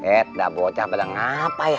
eh udah bocah pada ngapa ya